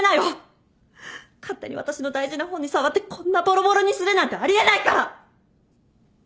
勝手に私の大事な本に触ってこんなぼろぼろにするなんてあり得ないから！